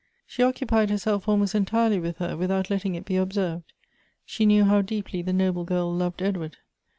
She occupied herself almost entirely with her, without letting it be observed. She knew how deeply the noble girl loved Edward.